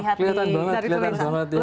kelihatan banget kelihatan banget ya